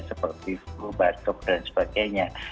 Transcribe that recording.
seperti bubatuk dan sebagainya